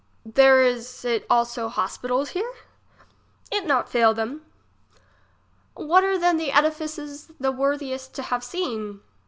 There is it also hospitals here ? It not fail them. What are then the edifices the worthest to have seen?